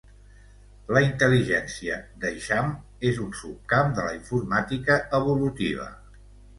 La intel·ligència d'eixam és un subcamp de la informàtica evolutiva.